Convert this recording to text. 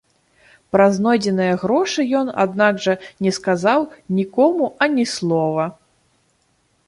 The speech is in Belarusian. Пра знойдзеныя грошы ён, аднак жа, не сказаў нікому ані слова.